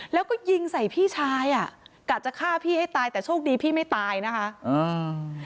แล้วก็ยิงใส่พี่ชายอ่ะกะจะฆ่าพี่ให้ตายแต่โชคดีพี่ไม่ตายนะคะอืม